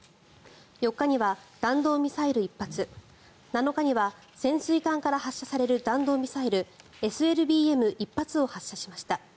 ４日には弾道ミサイル１発７日には潜水艦から発射される弾道ミサイルＳＬＢＭ１発を発射しました。